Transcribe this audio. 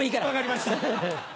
分かりました。